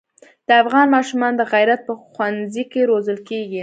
د افغان ماشومان د غیرت په ښونځي کې روزل کېږي.